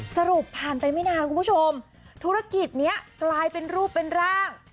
สรุปผ่านไปไม่นานคุณผู้ชมธุรกิจนี้กลายเป็นรูปเป็นร่าง